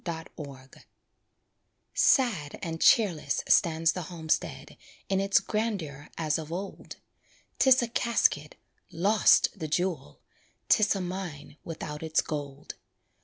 WRITTEN FOR Sad and cheerless stands the homestead In its grandeur as of old; 'Tis a casket lost, the jewel; 'Tis a mine without its gold.